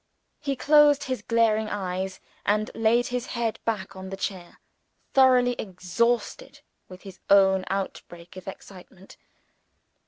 He closed his glaring eyes, and laid his head back on the chair, thoroughly exhausted with his own outbreak of excitement.